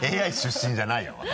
ＡＩ出身じゃないよ